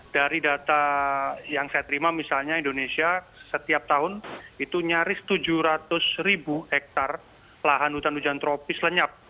dari data yang saya terima misalnya indonesia setiap tahun itu nyaris tujuh ratus ribu hektare lahan hutan hujan tropis lenyap